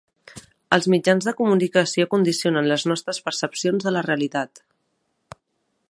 Els mitjans de comunicació condicionen les nostres percepcions de la realitat.